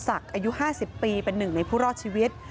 ทีมข่าวของเราได้คุยกับนายยศศักดิ์อายุ๕๐ปีเป็นหนึ่งในผู้รอดชีวิต